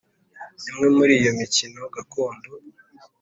imwe muri iyo mikino gakondo